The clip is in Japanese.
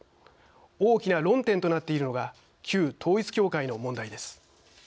大きな論点となっているのが旧統一教会の問題です。